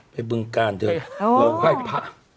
ไปเบื้องกาลเถอะลงไข้ผ้า